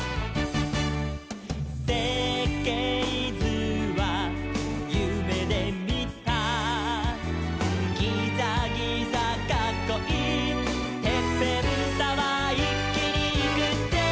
「せっけいずはゆめでみた」「ギザギザかっこいいてっぺんタワー」「いっきにいくぜ」